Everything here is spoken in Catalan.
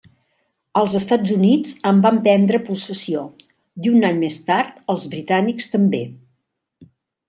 Els Estats Units en van prendre possessió, i un any més tard, els britànics també.